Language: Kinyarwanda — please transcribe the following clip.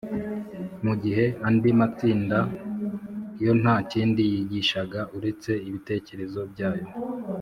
mu gihe andi matsinda yo nta kindi yigishaga uretse ibitekerezo byayo.”